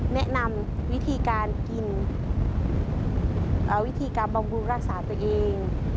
แนะนำวิธีการบำรุนรักษาตัวเอง